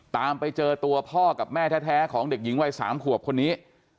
ตามไปเจอตัวพ่อกับแม่แท้ของเด็กหญิงวัย๓ขวบคนนี้